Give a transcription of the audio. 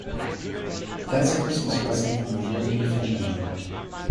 That's a Christmas present from a very dear friend of mine.